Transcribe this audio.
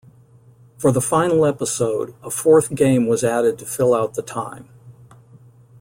For the final episode, a fourth game was added to fill out the time.